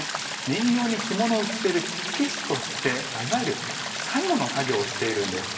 人形に着物を着せる着付け師としていわゆる最後の作業をしているんです。